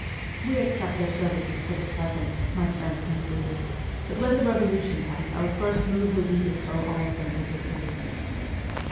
' We accept their services for the present,' my friend concluded, 'but when the revolution comes our first move will be to throw all of them overboard.'